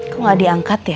kok gak diangkat ya